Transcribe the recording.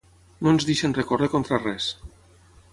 No ens deixen recórrer contra res.